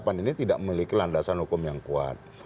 bahwa kita memiliki landasan hukum yang kuat